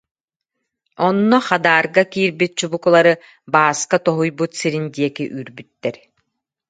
Онно Хадаарга киирбит чубукулары Бааска тоһуйбут сирин диэки үүрбүттэр